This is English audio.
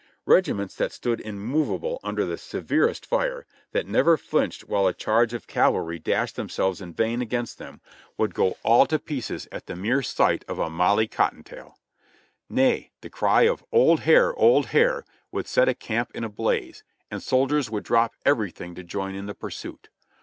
Regiments that stood immovable under the severest fire, that never flinched while a charge of cav alry dashed themselves in vain against them, would go all to 8o JOHNNY REB AND BILLY YANK pieces at the mere sight of a "Molly Cotton tail." Nay, the cry of "Old hare! old hare!" would set a camp in a blaze, and soldiers would drop everything to join in the pursuit.